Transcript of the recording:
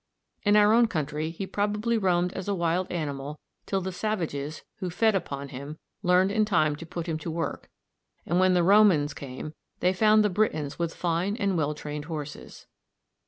In our own country he probably roamed as a wild animal till the savages, who fed upon him, learned in time to put him to work; and when the Romans came they found the Britons with fine and well trained horses.